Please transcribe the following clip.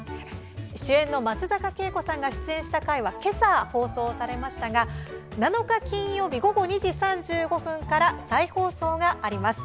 主演の松坂慶子さんが出演した回は今朝、放送されましたが７日、金曜日午後２時３５分から再放送します。